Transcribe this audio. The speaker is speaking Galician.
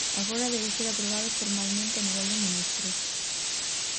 Agora debe ser aprobado formalmente a nivel de ministros.